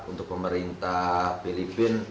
untuk pemerintah filipina